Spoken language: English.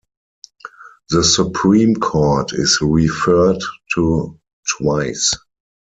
The Supreme Court is referred to twice.